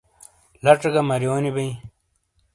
لاژے گہ ماریونئ بئے